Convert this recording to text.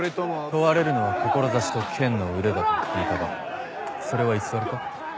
問われるのは志と剣の腕だと聞いたがそれは偽りか？